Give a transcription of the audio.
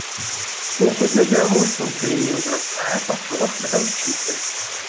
Попыт на пераможцаў прэміі ўзрастае, па словах прадаўшчыцы.